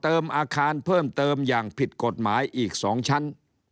เพิ่มเติมอาคารเพิ่มเติมอย่างผิดกฎหมายอีกสองชั้น